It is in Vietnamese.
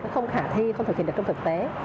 không khả thi không thực hiện được trong thực tế